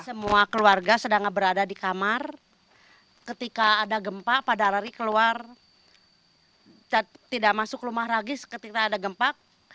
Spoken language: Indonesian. semua keluarga sedang berada di kamar ketika ada gempa pada lari keluar tidak masuk rumah ragis ketika ada gempa